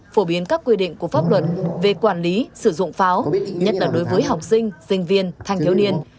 phổ biến các quy định của pháp luật về quản lý sử dụng pháo nhất là đối với học sinh sinh viên thanh thiếu niên